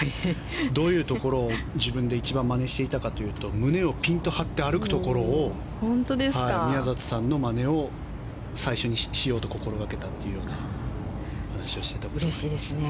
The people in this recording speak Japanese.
どういうところを自分で一番まねしていたかというと胸をぴんと張って歩くというところを宮里さんのまねを最初にしようと心掛けたといううれしいですね。